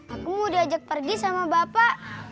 aku diajak pergi sama bapak